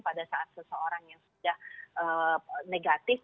pada saat seseorang yang sudah negatif